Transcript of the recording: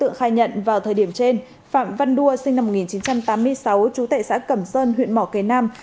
tượng khai nhận vào thời điểm trên phạm văn đua sinh năm một nghìn chín trăm tám mươi sáu chú tệ xã cẩm sơn huyện mỏ cấy nam